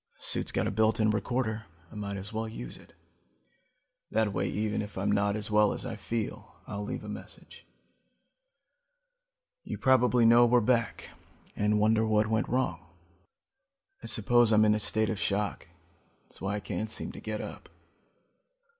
This suit's got a built in recorder, I might as well use it. That way even if I'm not as well as I feel, I'll leave a message. You probably know we're back and wonder what went wrong. "I suppose I'm in a state of shock. That's why I can't seem to get up.